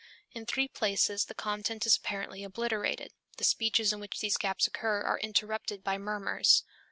In three places the content is apparently obliterated, the speeches in which these gaps occur are interrupted by murmurs.